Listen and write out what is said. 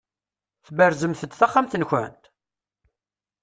Tberzemt-d taxxamt-nkent?